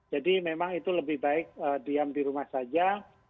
jadi memang itu lebih baik diam di rumah saja